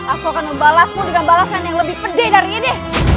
aku akan membalasmu dengan balasan yang lebih pedih dari ini